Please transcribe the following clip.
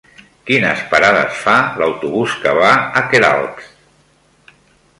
Quines parades fa l'autobús que va a Queralbs?